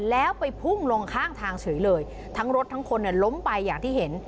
แล้วไปพุ่งลงข้างทางเฉยเลยทั้งรถทั้งคนล้มไปอย่างที่เห็น